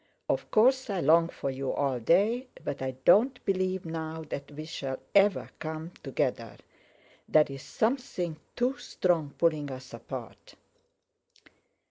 Of course, I long for you all day, but I don't believe now that we shall ever come together—there's something too strong pulling us apart."